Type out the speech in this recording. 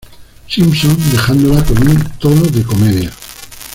Simpson, dejándola con un tono de comedia.